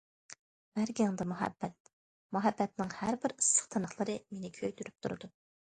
بەرگىڭدە مۇھەببەت، مۇھەببەتنىڭ ھەر بىر ئىسسىق تىنىقلىرى مېنى كۆيدۈرۈپ تۇرىدۇ.